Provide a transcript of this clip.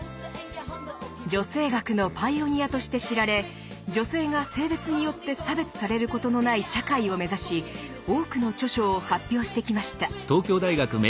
女性学のパイオニアとして知られ女性が性別によって差別されることのない社会を目指し多くの著書を発表してきました。